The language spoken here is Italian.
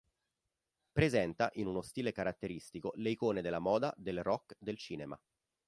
Presenta, in uno stile caratteristico, le icone della moda, del rock, del cinema.